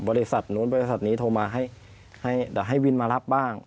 บริษัทนู้นบริษัทนี้โทรมาให้วินมารับบ้าง